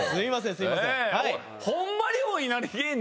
すいません。